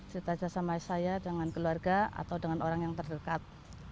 ceritanya sama saya dengan keluarga atau dengan orang yang terdekat